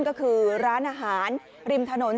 ก็คือร้านอาหารริมถนน